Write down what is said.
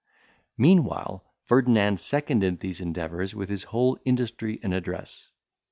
Meanwhile, Ferdinand seconded these endeavours with his whole industry and address.